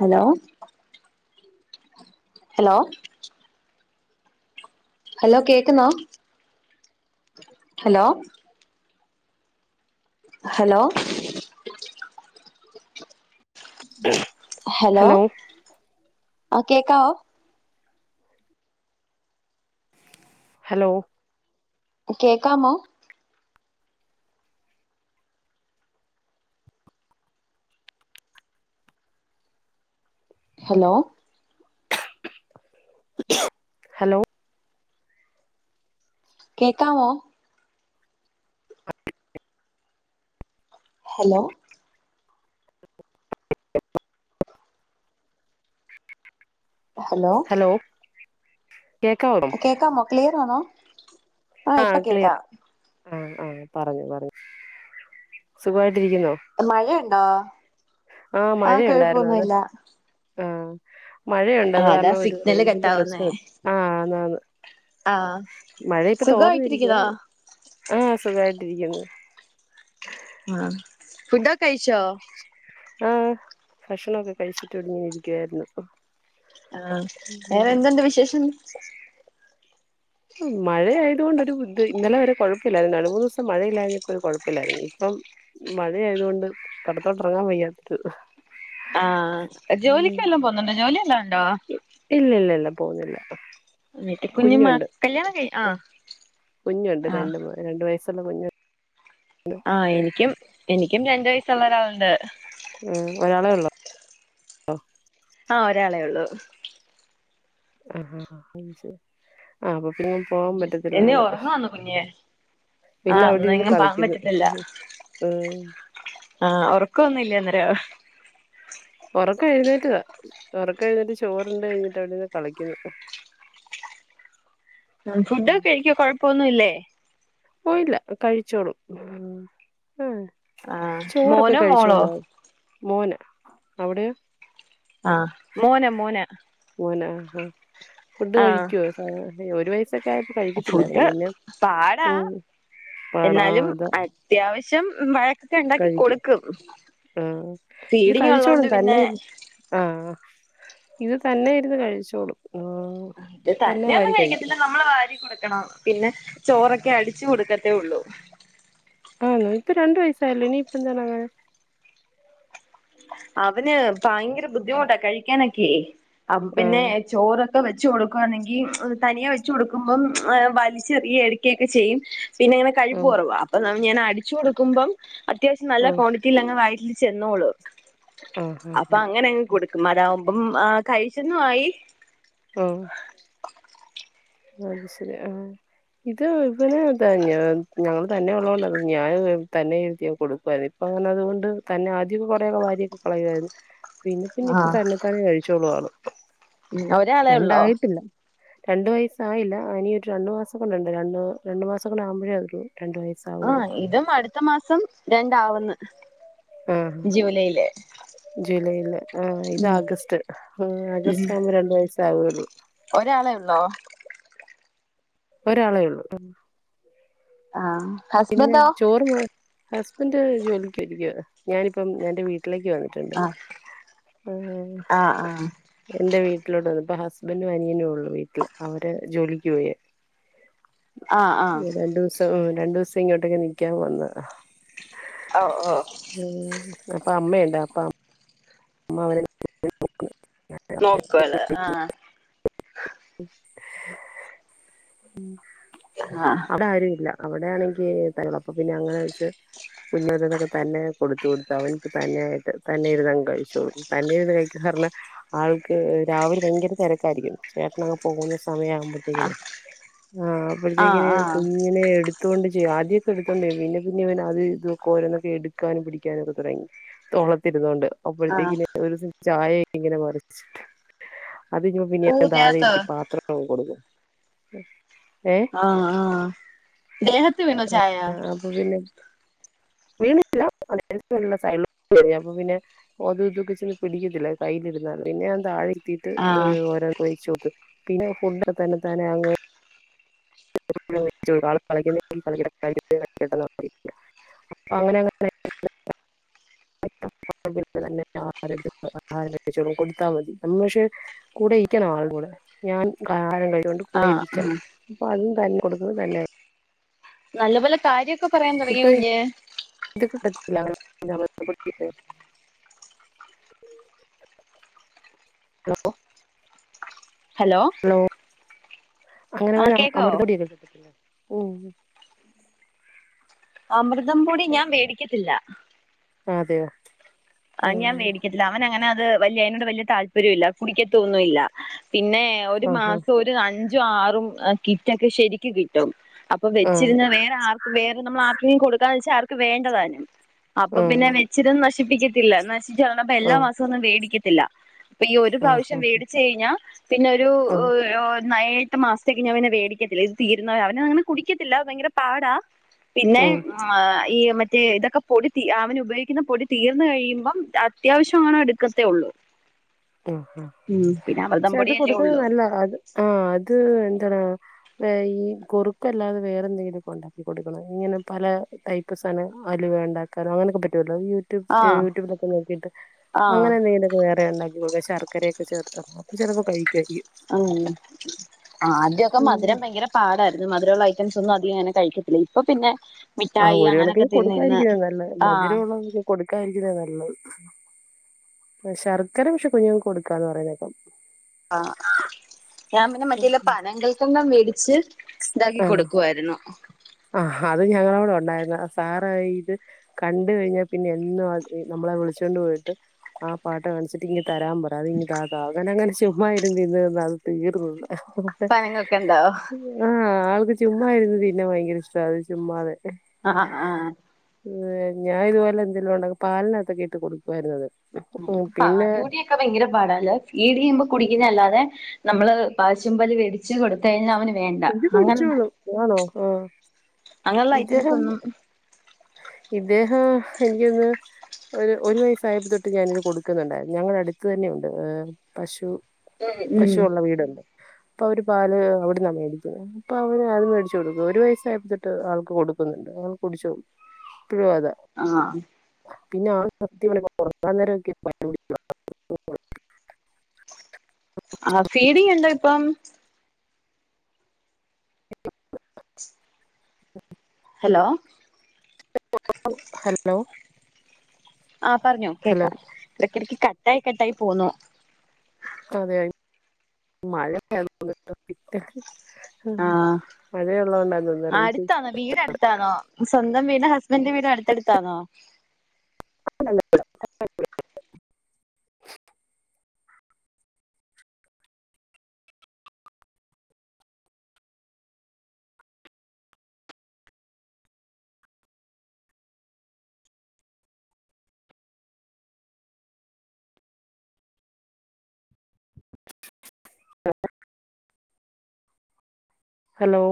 Hello hello hello കേക്കുന്നോ hello hello hello ആഹ് കേക്കാവോ ഹലോ കേക്കാമോ ഹലോ ഹലോ കേക്കാവോ ഹലോ ഹലോ കേക്കാവോ കേൾക്കാമോ ക്ലിയറണോ ആഹ് ക്ലിയർ ആഹ് ആഹ് പറഞ്ഞു പറഞ്ഞു സുഖമായിട്ടിരിക്കുന്നോ മഴയുണ്ടോ ആഹ് മഴയുണ്ടായിരുന്നു അത് കൊഴപ്പൊന്നുല്ല ആഹ് മഴയുണ്ട് അത് ആഹ് അതാ കാരണം ഒരു സിഗ്നല് റേഞ്ചിന്റെ കട്ടാവുന്നേ പ്രശ്നം ഉണ്ട് ആന്ന് ആന്ന് ആഹ് തോർന്നിരിക്കുവ സുഖമായിട്ടിരിക്കുന്നോ ആഹ് സുഖമായിട്ടിരിക്കുന്നു ആഹ് ഫുഡ് ഒക്കെകഴിച്ചോ ആഹ് ഭക്ഷണൊക്കെ കഴിച്ചിട്ട് ഇവിട ഇങ്ങനെഇരിക്കുവായിരുന്നു ആഹ് വേറെ എന്തുണ്ട് വിശേഷം മഴയതത്ണ്ട് ഒരു ബുധ ഇന്നലെ വരെ കുഴപ്പില്ലായിരുന്നു രണ്ട് മൂന്ന് ദിവസം മഴയില്ലായിന്നപ്പോഒരു കുഴപ്പില്ലായിരുന്നു ഇപ്പം മഴ ആയതൊണ്ട് പുറത്തോട്ട് ഇറങ്ങാൻ വയ്യാത്തരു ആഹ് ജോലിക്ക്ല്ലാം പോന്നുണ്ടോ ജോലി എല്ലാം ഉണ്ടോ ഇല്ല ഇല്ല ഇല്ല പോവുന്നില്ല വീട്ടിൽ കുഞ്ഞി മാ കല്യാണ കയിഞ്ഞ് കുഞ്ഞുണ്ട് രണ്ട് രണ്ട് വയസ്സുള്ള കുഞ്ഞുണ്ട് ആഹ് എനിക്കും എനിക്കും രണ്ട് വയസുള്ള ഒരാളുണ്ട് ഉ ഒരാളെ ഉള്ളോ ആഹ് ഒരാളെ ഉള്ളൂ ആഹ് ആഹ് അപ്പൊ പിന്ന പോവാൻ എന്നീ പറ്റത്തില്ലാണ് ഒറങ്ങുവാന്നോ കുഞ്ഞ് ഇല്ല ആഹ് അവിടെ ഇരുന്ന് ഒന്നെങ്ങും പോകാൻ കളിക്കുന്നു പറ്റത്തില്ല ആഹ് ആഹ് ഉറക്കൊന്നുംല്ലെ അന്നേരം ഉറക്ക എഴുന്നേറ്റതാ ഉറക്ക എഴുന്നറ്റ് ചോറ്ണ്ട് കഴിഞ്ഞിട്ട് അവിടെന്ന് കളിക്കുന്നു ഫുഡൊക്കെ കഴക്ക കൊഴപ്പൊന്നുംല്ലേ ഓയില്ല കഴിച്ചോളും ആഹ് ആഹ് ചോറൊക്കെ മോനോ മോളോ കഴിച്ചോളു മോന് അവിടെയോ ആഹ് മോനെ മോന മോന ആ ഫുഡ് ആഹ് കഴിക്കുവോ ഒരു വയസൊക്കെ ആയപ്പോ ഫുഡ് കഴിക്കത്തില്ലായിരുന്നു പിന്നെ പാടാ ഉം പാടാ എന്നാലും അതാ അത്യാവശ്യം വഴ ഒക്കെ ഉണ്ടാക്കി കഴിക്കും കൊടുക്കും ആഹ് ഇത് ഫീഡിങ് ഉള്ളത് കൊണ്ട് കഴിച്ചോളും പിന്നെ തന്നെ ആഹ് ഇത് തന്നെ ഇരുന്നു കഴിച്ചോളും ആഹ് ആഹ് ഇത് തന്നെ വാരി കഴിക്കും തന്നെയൊന്നുംകഴിക്കത്തില്ല നമ്മൾ വാരി കൊടുക്കണം പിന്നെ ചോറൊക്കെ അടിച്ചു കൊടുക്കത്തേ ഉള്ളൂ ആണോ ഇപ്പൊ രണ്ടു വയസായില്ലേ ഇനീ ഇപ്പംന്താങ്ങ നെ അവന് ഭയങ്കര ബുദ്ധിമുട്ടാ കഴിക്കാനൊക്കെ അപ്പ പിന്നെ ആഹ് ചോറൊ ക്കെ വെച്ച് കൊടുക്കുവാണെങ്കി തനിയെ വെച്ച് കൊടുക്കുബം വലിച്ചെറിയ ഒക്കെ ചെയ്യും പിന്നെ ഇങ്ങനെ കഴിപ്പ് ആഹ് കൊറവാ അപ്പ ഞാൻ അടിച്ചു കൊടുക്കുമ്പം അത്യാവിശ്യം നല്ല ആഹ് കോടി റ്റിലങ്ങ് വയറ്റിൽ ചെന്നോളു ആഹ് അപ്പ ആഹ് അങ്ങനെങ്ങ് കൊടുക്കും അതാവുമ്പം ആ കഴിച്ചെന്നു ആയി ഓഹ് അത് ശെരി ആഹ് ഇത് ഇവന് താ ഇങ്ങനെ ഞങ്ങള് തന്നെ ഉള്ളോണ്ട ഞാന് തന്നെ ഇരുത്തി യങ്ങ് കൊടുക്കാരുന്നു അപ്പ അങ്ങന അതുകൊണ്ട് തന്നെ ആദ്യംക്കെ കൊറെയൊക്കെവാര്യക്കെ കളയാരുന്നു പിന്നെ പിന്നെ ഇപ്പ തന്നെതാന്നെ കഴിച്ചോളൂ ആള് ആഹ് ഒരാളെ ഉള്ളോ രണ്ടായിട്ടില്ല രണ്ട് വയസ്സായില്ല ഇനിയൊരു രണ്ട് മാസം കൂടണ്ട് രണ്ട് മാ രണ്ട് മാസം കൂടേ ആവുമ്പഴേ ആ വെള്ളൂ രണ്ട് വയസ്സ് ആഹ് ഇതും അടുത്ത മാസം രണ്ടാ വ്ന്ന് ജൂലൈയില് ജൂലൈല് ആഹ് ഇത് ഉം ആഗസ്റ്റ് ആ ഉം ആഗസ്റ്റ് ആവുമ്പ രണ്ട് വയസ്സാകൊള്ളൂ ഒരാളെ ഒള്ളോ ഒരാളെ ഒള്ളൂ ആഹ് പിന്നെ ഹസ്ബന്റോ ചോറ് ഹസ്ബന്റ് ജോലിക്ക് പോയിരിക്യവാ ഞാനിപ്പം ഞാന്റെ വീട്ടിലേക്ക് വന്ന് ആഹ് ആഹ് ആഹ് എന്റെ വീട്ടിലോട്ട് വന്നു ഇപ്പ ഹസ്ബന്ഡും അനിയനൊള്ളു വീട്ട്ല് അവര് ജോലിക്ക് പോയേ ആഹ് ആഹ് രണ്ടുസം രണ്ടുസം ഇങ്ങോട്ടേക്ക് നിക്കാൻ വന്നതാ ഔ ഓഹ് ഉം അപ്പ അമ്മയ്ണ്ട് അപ്പ അമ്മ അവരെ നോക്കുവല്ലേ [unintelligible] ആഹ് [inaudible] ഉം ആഹ് അവടെ ആരു ഇല്ല അവടാണെങ്കി ബെഹളം അപ്പൊ പിന്നെ അങ്ങനെ വെച്ച് പിന്നെ [unintelligible] തന്നെ കൊടുത്തു കൊട്ത്ത് അവൻക്ക് തന്നെ ആയിട്ട് തന്നെ ഇര്ന്നങ്ങ് കഴി ച്ചോളും തന്നെ ഇര്ന്ന് കഴിക്കാ പറഞ്ഞാ ആൾക്ക് രാവിലെ ഭയങ്കര തെരക്കാരിക്കും ചേട്ടനങ്ങ് പോക്ന്ന സമയാ ബത്തിന് ആഹ് ആഹ് അപ്പഴ്ത്തേക്കിന് കു ആഹ് ഇങ്ങനെ എട്ത്തോണ്ട് ചെയ്യും ആദ്യക്കെ എട്ത്തോണ്ട് ചെയ്യും പിന്നെ പിന്നെ ഇവന് അത് ഇത് ഒക്കെ ഓരൊന്നൊക്കെ എട്ക്കാനും പിടിക്കാനൊക്കെ തൊടങ്ങി തൊളത്തിര്ന്നൊണ്ട് ആഹ് അപ്പഴ്ത്തേക്കിന് ഒരൂസം ചായക്കെ ഇങ്ങനെ മറിച്ച്ട്ട് അതി ഊ പിന്നെ താഴെ ദേഹത്തോ ഇര്ത്തി പാത്രങ്ങ് കൊട്ക്കും ആഹ് ആഹ് ദേഹത്ത് വീണോ ചായ അപ്പ പിന്നെ വീണില്ലാ [unintelligible] സൈഡി [unintelligible] അപ്പ പിന്നെ അതും ഇതൊക്കെ ചെന്ന് പിടിക്കത്തില്ല കൈലിര്ന്നാ പിന്നെ ഞാൻ താഴെ ഇര്ത്തീട്ട് ആഹ് ഓരോന്ന് ഒഴിച്ചു പിന്നെ ഫുഡ് തന്നെ താനേ [unintelligible] [unintelligible] അവനങ്ങനെ [unintelligible] [unintelligible] [unintelligible] [unintelligible] കൊട്ത്താ മതി അവന് പക്ഷെ കൂടെ ഇരിക്കണം ആള കൂടെ ഞാൻ ആ ഹാരം കൈക്കൊണ്ട് കൂടെ ആഹ് ഇരിക്കണം ആഹ് അപ്പ അതും തന്നെ കൊട്ക്ക്ന്ന് തന്നെ നല്ലപോലെ കാര്യോക്കെ പറയാൻ തൊടങ്ങിയോ കുഞ്ഞേ ഇത് [unintelligible] [unintelligible] [unintelligible] [unintelligible] ഹലോ അംഗനവാടി ആഹ് അം കേക്കാവോ അമൃതം പൊടിയൊക്കെ കിട്ടത്തില്ലെ ഉം അമൃതം പൊടി ഞാൻ വേടിക്കത്തില്ല അതെയോ ആഹ് ഞാൻ വേടിക്കത്തില്ല അവന് അങ്ങനെ അത് വല്ല്യ അയിനോട് വല്ല്യ താല്പര്യവുല്ല കുടിക്കത്തൊന്നുല്ല പിന്നെ ഒരു ആഹ് മാസം ഒര് അഞ്ചും ആറും ഏഹ് കിറ്റൊക്കെ ശരിക്ക് കിട്ടും അ പ്പോ ആഹ് വെച്ചിര്ന്നാ വേറെ ആർക്കും വേറെ നമ്മള് ആർക്കേം കൊടുക്കാന്ന് വെച്ചാ ആർക്ക് വേണ്ടതാനും അപ്പം പിന്നെ വെ ആഹ് ച്ചിര്ന്ന് നശിപ്പിക്കത്തില്ല നശിച്ചു പറഞ്ഞപ്പോ എല്ലാ ആഹ് മാസവും ഒന്നും വേടിക്കത്തില്ല ഇപ്പ ഈ ഒരു പ്രാവശ്യം വേടിച്ച് കഴിഞ്ഞാ പിന്നെ ഒരു ആഹ് ആഹ് ഒ ആഹ് ഒ [unintelligible] യെട്ട് മാസ്ത്തേക്ക് ഞാൻ പിന്നെ വേടിക്കത്തില്ല ഇത് തീരുന്നവരെ അവന് അങ്ങനെ കുടിക്ക്യത്തില്ല ഭയങ്കര പാടാ പിന്നെ ഉം ആ ഈ മറ്റേ ഇതൊക്കെ പൊടി തീ അവന് ഉപയോയിക്കിന്ന പൊടി തീർ ന്ന് കഴിയ്മ്പം അത്യാവശ്യമാണെ എട്ക്കത്തെ ഒള്ളു ആഹ് ആഹ് അമൃതം പക്ഷേ അത് പൊടിയല്ലേ കൊട്ക്ക്ന്നത് ഉള്ളൂ നല്ല അത് ആഹ് അത് എന്താണാവോ പ്പ ഈ കുറുക്കല്ലാതെ വേറെ എന്തെങ്കിലൊക്കെ ഒണ്ടാക്കി കൊട്ക്കണം ഇങ്ങനെ പല ടൈ പ്പ് സാനം അലുവയുണ്ടാക്കാനോ അങ്ങനക്കെ പറ്റുവല്ലോ ഈയൊ റ്റും ഏഹ് ആഹ് യൂട്യൂബിലൊക്കെ നോക്കിട്ട് ആഹ് അങ്ങനെ എന്തെങ്കിലൊക്കെ വേറെ ഇണ്ടാ [unintelligible] ശർക്കരയെക്കെ ചേർത്തപ്പം ചെൽപ്പോ കഴി ആഹ് ആഹ് ആദ്യൊക്കെ ഉം. മധുരം ഭയങ്കരം പാടാര്ന്നു മധുരവുള്ള ഐറ്റംസൊന്നും അധികം അങ്ങനെ കഴിക്കത്തില്ല ഇപ്പ പിന്നെ ആഹ് മിഠായി ഒര് അങ്ങനെയൊക്കെ കണക്കിന് തിന്ന് തിന്ന് കൊടുക്കാതിരിക്ക്യാ നല്ലത് ആഹ് മധുരവുള്ളതൊക്കെ കൊടുക്കാതിരിക്കിന്നാ നല്ലത് ഉം ശർക്കര പക്ഷേ കുഞ്ഞുങ്ങക്ക് കൊട്ക്കാന്ന് പറയ്ന്നേക്കാ ആഹ് ഞാൻ പിന്നെ മറ്റേല്ലെ പനങ്കൽക്കണ്ടം വേടിച്ച് ഇതാക്കി ആ കൊടുക്കുവാരുന്നു ആഹ് അത് ഞങ്ങളെ അവ്ടെ ഒണ്ടായിരുന്ന സാറായിട്ട് കണ്ട് കഴിഞ്ഞാൽ പിന്നെ എന്നും അത് ഈ നമ്മളെ വിളിച്ചോണ്ട് പോയിട്ട് ആ പാട്ട കാണിച്ച് തിങ്ങ് തരാൻ പറ അതിങ്ങ് താ താ അങ്ങനെ അങ്ങനെ ചുമ്മായിര്ന്ന് ഇര്ന്ന് തിന്ന് അത് തീർന്ന് ത പനങ്ങൾക്കുണ്ടോ ആഹ് ആൾക്ക് ചുമ്മായിര്ന്ന് തിന്നാൻ ഭയങ്കര ഇഷ്ടവാ അത് ചുമ്മാതെ ആഹ് ആഹ് ആഹ് ഏഹ് ഞാൻ ഇതുപോലെ എന്തേലും ഒണ്ടെങ്കി പാലിനാത്തൊക്കെ ഇട്ട് കൊടുക്കുവാര്ന്ന് അത് മ് ഉം പിന്നെ പാലുക്കുടി ക്കാ ഭയങ്കര പാടാല്ലെ ഫീഡെയ്യുമ്പോ കുടിക്കിന്ന അല്ലാതെ നമ്മള് പാശുമ്പാല് വേടി ച്ച് കൊടുത്ത് കഴിഞ്ഞാ അവന് വേണ്ട അങ്ങനെ സുഖാണോ ആഹ് അങ്ങനെയുള്ള ഐറ്റംസ് ഇദ്ദേഹം ഒന്നും ഇദ്ദേഹം എനിക്ക്യ് തോന്നുന്ന് ഒരു ഒരു വയസ്സായപ്പോ തൊട്ട് ഞാനിത് കൊടുക്കുന്നുണ്ടാരുന്നു ഞങ്ങളെ അട്ത്ത് തന്നെയുണ്ട് ഏഹ് പശു ഉം പശുവുള്ള വീട്‌ണ്ട് ഇപ്പ അവര് പാല് അവ്ട്ന്നാ മേടി ക്കിന്നെ ഇപ്പ അവന് അത് വേടിച്ച് കൊടുക്കും ഒരു വയസായപ്പം തൊട്ട് ആൾക്ക് കൊടുക്കുന്നുണ്ട് ആൾ കുടിച്ചും ഇപ്പഴും അതെ ആഹ് പിന്നെ ആള് [unintelligible] അന്നേരം ഇന്ക്ക്യ് പല്ല് പുളിക്കാ ആഹ് ഫീഡെയ്യണ്ടേ ഇപ്പം [unintelligible] ഹലോ [unintelligible] ഹലോ ആഹ് പറഞ്ഞോ ഹലോ കേക്കാ എടക്കിടക്ക് കട്ടായി കട്ടായി പോവുന്നു അതെ, മഴയാണ്ന്ന് ആ [unintelligible] മഴയുള്ളത് കൊണ്ടാണോ റെയ്ഞ്ച് ന്റെ അടുത്താണോ സ്വന്തം വീട്‌ ഹസ്ബൻഡന്റെ വീട്‌ അടുത്തടുത്താണോ [unintelligible] [unintelligible] ഹലോ